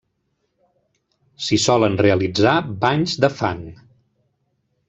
S'hi solen realitzar banys de fang.